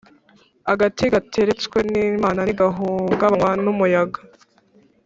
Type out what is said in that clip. Agati gateretswe n’Imana ntigahungabanywa n’umuyaga.